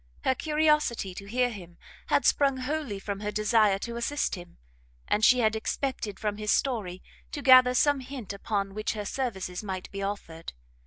Her curiosity to hear him had sprung wholly from her desire to assist him, and she had expected from his story to gather some hint upon which her services might be offered.